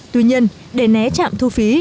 tuy nhiên để né tràm thu phí